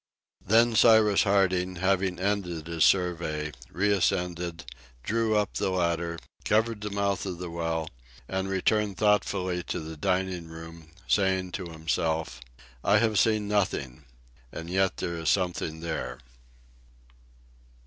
Then Cyrus Harding, having ended his survey, re ascended, drew up the ladder, covered the mouth of the well, and returned thoughtfully to the diningroom, saying to himself, "I have seen nothing, and yet there is something there!"